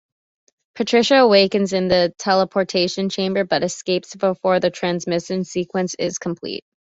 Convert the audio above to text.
Patricia awakens in the teleportation chamber but escapes before the transmission sequence is complete.